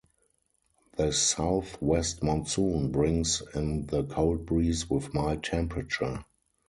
The South West Monsoon brings in the cold breeze with mild temperature.